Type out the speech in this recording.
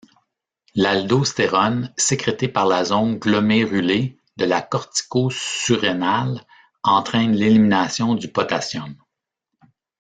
L'aldostérone, sécrétée par la zone glomérulée de la cortico-surrénale, entraîne l'élimination du potassium.